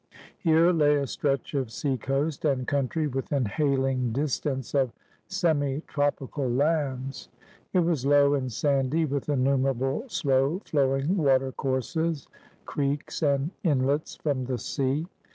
Here lay a stretch of seacoast and country within hailing distance of semi tropical lands. It was low and sandy, with innumerable slow flowing water courses, creeks, and inlets from the sea.